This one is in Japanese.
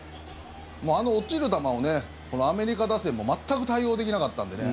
あの落ちる球をアメリカ打線も全く対応できなかったんでね。